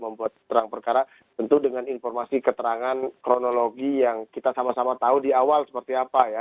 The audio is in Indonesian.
membuat terang perkara tentu dengan informasi keterangan kronologi yang kita sama sama tahu di awal seperti apa ya